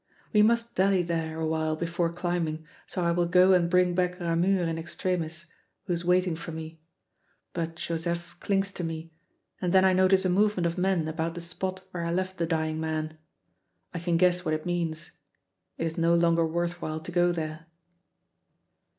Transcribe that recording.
We must dally there awhile before climbing, so I will go and bring back Ramure in extremis, who is waiting for me. But Joseph clings to me, and then I notice a movement of men about the spot where I left the dying man. I can guess what it means; it is no longer worth while to go there.